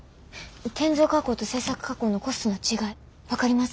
転造加工と切削加工のコストの違い分かります？